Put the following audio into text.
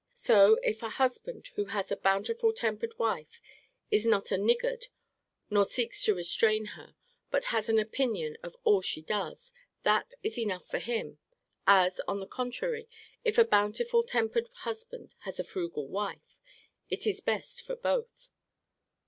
So if a husband, who has a bountiful tempered wife, is not a niggard, nor seeks to restrain her, but has an opinion of all she does, that is enough for him: as, on the contrary, if a bountiful tempered husband has a frugal wife, it is best for both.